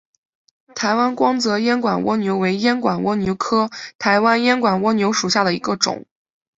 台湾光泽烟管蜗牛为烟管蜗牛科台湾烟管蜗牛属下的一个种。